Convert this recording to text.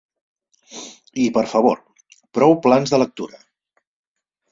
I, per favor: prou plans de lectura.